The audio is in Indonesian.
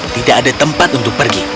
tidak ada tempat untuk pergi